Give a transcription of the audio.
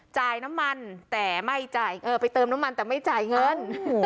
จ่ายน้ำมันแต่ไม่จ่ายเออไปเติมน้ำมันแต่ไม่จ่ายเงิน